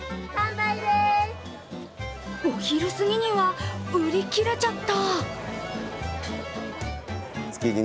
お昼すぎには売り切れちゃった。